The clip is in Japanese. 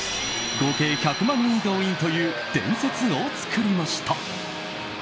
合計１００万人動員という伝説を作りました。